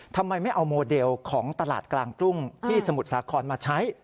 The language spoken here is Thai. ทำไมไม่เอาโมเดลของตลาดกลางกรุงที่สมุทรสาครมาใช้